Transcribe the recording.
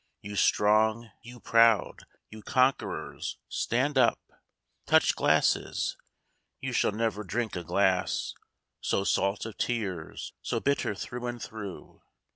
You strong, you proud, you conquerors — stand up! Touch glasses ! Tou shall never drink a glass So salt of tears, so bitter through and through.